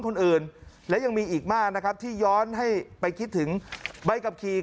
คนอื่นและยังมีอีกมากนะครับที่ย้อนให้ไปคิดถึงใบขับขี่